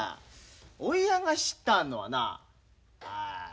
おいやんが知ったあんのはなあ